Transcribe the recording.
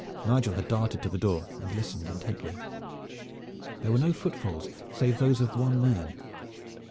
Nigel had darted to the door and listened intently. There were no footfalls save those of one man.